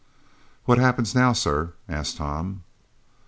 "What happens now, sir?" asked Tom.